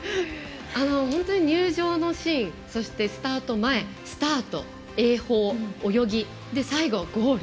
本当に入場のシーンスタート前、スタート、泳法泳ぎ、最後はゴール。